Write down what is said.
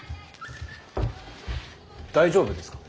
大丈夫ですか？